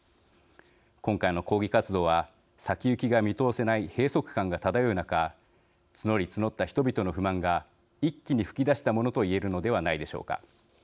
今回の抗議活動は先行きが見通せない閉そく感が漂う中募り募った人々の不満が一気に噴き出したものと言えるのではないでしょうか。